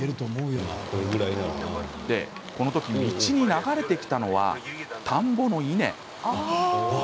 道に流れてきたのは田んぼの稲。